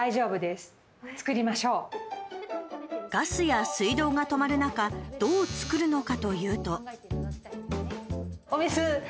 ガスや水道が止まる中どう作るのかというと。